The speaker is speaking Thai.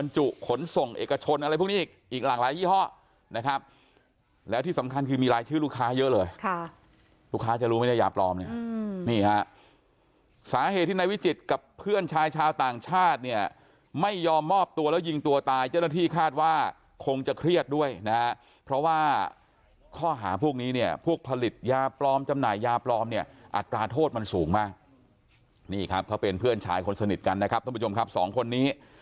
ชื่อลูกค้าเยอะเลยค่ะลูกค้าจะรู้ไหมเนี่ยยาปลอมเนี่ยนี่ฮะสาเหตุที่ในวิจิตรกับเพื่อนชายชาวต่างชาติเนี่ยไม่ยอมมอบตัวแล้วยิงตัวตายเจ้าหน้าที่คาดว่าคงจะเครียดด้วยนะฮะเพราะว่าข้อหาพวกนี้เนี่ยพวกผลิตยาปลอมจำหน่ายยาปลอมเนี่ยอัตราโทษมันสูงมากนี่ครับเขาเป็นเพื่อนชายคนสนิทกัน